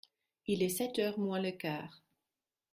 Il est sept heures moins le quart.